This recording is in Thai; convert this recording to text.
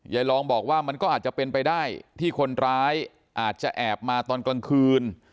ลองบอกว่ามันก็อาจจะเป็นไปได้ที่คนร้ายอาจจะแอบมาตอนกลางคืน